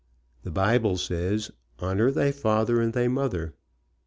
The Bible says: "Honor thy father and thy mother."